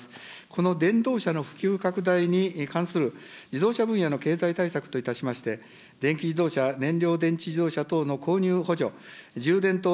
この電動車の普及拡大に関する、自動車分野の経済対策といたしまして、電気自動車、燃料電池自動車等の購入補助、充電等